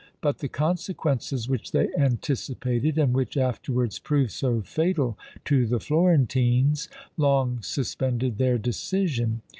But the consequences which they anticipated, and which afterwards proved so fatal to the Florentines, long suspended their decision.